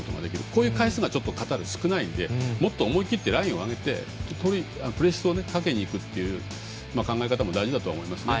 こういう回数がカタール少ないので思い切ってラインを上げてプレスをかけるという考え方も大事だと思いますね。